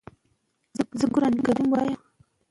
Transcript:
پېښور زموږ د کلتور مرکز و.